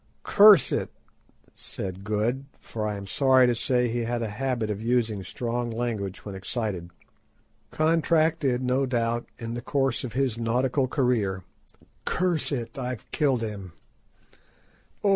"Curse it!" said Good—for I am sorry to say he had a habit of using strong language when excited—contracted, no doubt, in the course of his nautical career; "curse it! I've killed him."